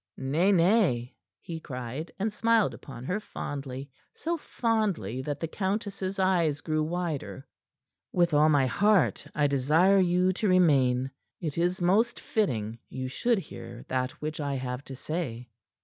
"Nay, nay," he cried, and smiled upon her fondly so fondly that the countess's eyes grew wider. "With all my heart, I desire you to remain. It is most fitting you should hear that which I have to say."